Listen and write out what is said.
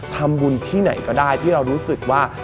ทำบุญที่ไหนก็ได้ที่เรารู้สึกว่า